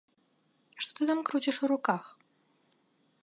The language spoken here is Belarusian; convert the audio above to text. Што ты там круціш у руках?